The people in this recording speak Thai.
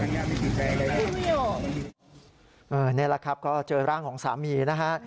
นี่แหละครับก็เจอร่างของสามีนะฮะ